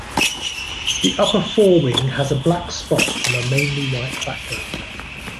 The upper forewing has a black spot on a mainly white background.